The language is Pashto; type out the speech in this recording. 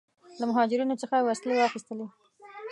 له مهاجرینو څخه وسلې واخیستلې.